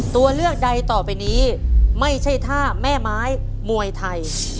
ตัวเลือกใดต่อไปนี้ไม่ใช่ท่าแม่ไม้มวยไทย